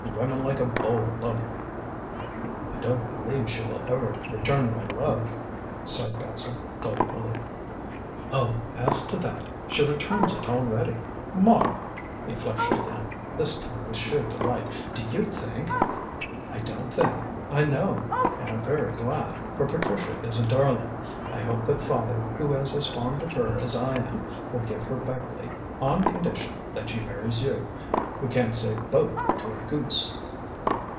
Women like a bold lover." "I don't believe she will ever return my love," sighed Basil dolefully. "Oh, as to that, she returns it already." "Mara!" he flushed again, this time with sheer delight, "do you think " "I don't think. I know, and I'm very glad, for Patricia is a darling. I hope that father, who is as fond of her as I am, will give her Beckleigh on condition that she marries you, who can't say 'Bo' to a goose."